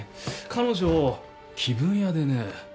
彼女気分屋でね